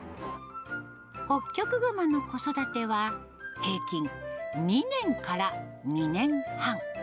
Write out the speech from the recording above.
ホッキョクグマの子育ては、平均２年から２年半。